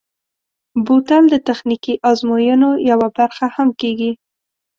بوتل د تخنیکي ازموینو یوه برخه هم کېږي.